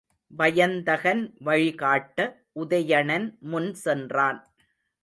வயந்தகன் வழிகாட்ட உதயணன் முன் சென்றான்.